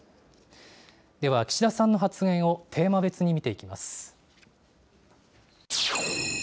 では、岸田さんの発言をテーマ別に見ていきます。